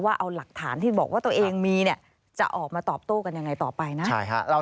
ว่าเอาหลักฐานที่บอกว่าตัวเองมีเนี่ยจะออกมาตอบโต้กันยังไงต่อไปนะ